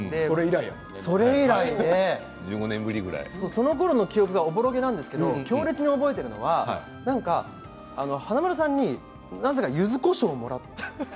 その時の記憶がおぼろげなんですけれども強烈に覚えているのが華丸さんに、なぜかゆずこしょうをもらった。